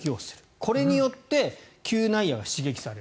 これによって嗅内野が刺激される。